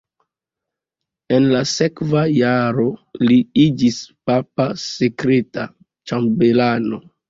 En la sekva jaro li iĝis papa sekreta ĉambelano.